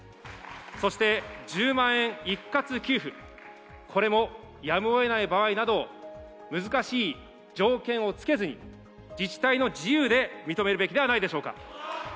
そして１０万円一括給付、これもやむをえない場合など、難しい条件を付けずに、自治体の自由で認めるべきではないでしょうか。